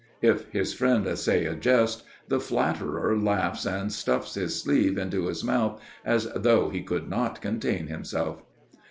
'" "If his friend essay a jest, the flatterer laughs and stuffs his sleeve into his mouth as though he could not contain himself."